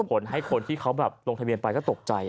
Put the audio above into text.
ผลให้คนที่เขาแบบลงทะเบียนไปก็ตกใจ